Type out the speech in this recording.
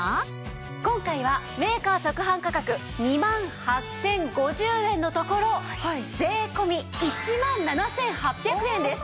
今回はメーカー直販価格２万８０５０円のところ税込１万７８００円です。